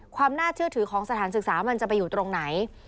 ความน่าเชื่อถือของสถานศึกษามันจะไปอยู่ตรงไหน